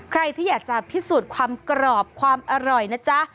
ใครที่อยากจะพิสูจน์ความกรอบความอร่อยนะจ๊ะ